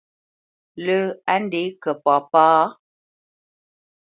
Lə́ á ndě kə̂ papá ?